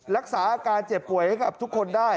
รักษาอาการเจ็บป่วยให้กับทุกคนได้